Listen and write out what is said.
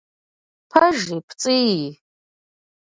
Пэжи, пцӏыи…